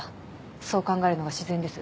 そう考えるのが自然です。